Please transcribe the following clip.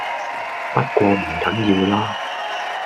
不過唔緊要啦